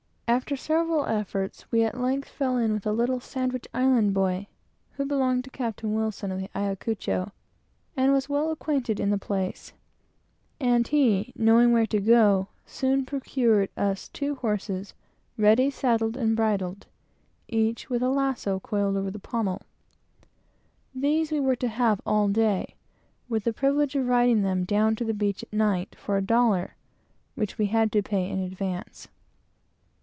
After several efforts, we at length fell in with a little Sandwich Island boy, who belonged to Captain Wilson of the Ayacucho, and was well acquainted in the place; and he, knowing where to go, soon procured us two horses, ready saddled and bridled, each with a lasso coiled over the pommel. These we were to have all day, with the privilege of riding them down to the beach at night, for a dollar, which we had to pay in advance.